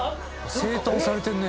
整頓されてるね。